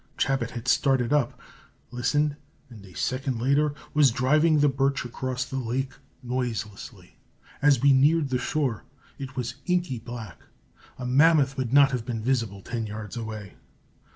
Chabot had started up, listened, and a second later was driving the birch across the lake noiselessly. As we neared the shore, it was inky black a mammoth would not have been visible ten yards away.